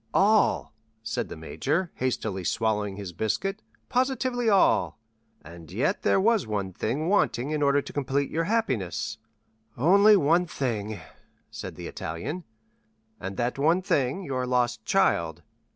"All," said the major, hastily swallowing his biscuit, "positively all." "And yet there was one thing wanting in order to complete your happiness?" "Only one thing," said the Italian. "And that one thing, your lost child."